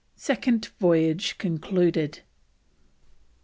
SECOND VOYAGE CONCLUDED.